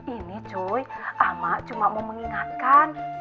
ini cuy sama cuma mau mengingatkan